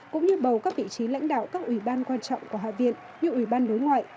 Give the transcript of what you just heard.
cũng như bầu các vị trí lãnh đạo các ủy ban quan trọng của hạ viện như ủy ban đối ngoại